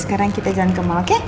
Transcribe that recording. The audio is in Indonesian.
sekarang kita jalan ke mall oke